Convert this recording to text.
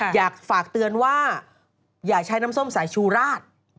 อยากฝากเตือนว่าอย่าใช้น้ำส้มสายชูราด